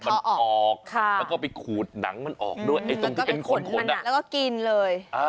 มันออกแล้วก็ไปขูดหนังมันออกด้วยไอ้ตรงที่เป็นขนแล้วก็กินเลย